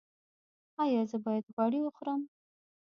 ایا زه باید غوړي وخورم؟